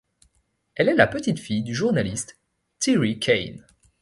Elle est la petite-fille du journaliste Terry Keane.